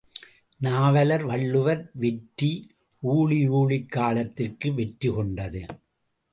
நாவலர் வள்ளுவர் வெற்றி ஊழி ஊழிக் காலத்திற்கு வெற்றி கொண்டது.